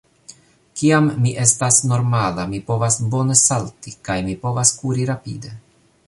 Kiam mi estas normala, mi povas bone salti, kaj mi povas kuri rapide.